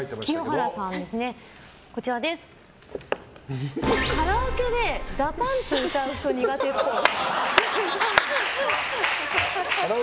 清原さんはカラオケでＤＡＰＵＭＰ歌う人苦手っぽい。